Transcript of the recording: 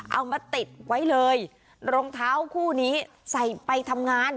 เอามาติดไว้เลยรองเท้าคู่นี้ใส่ไปทำงาน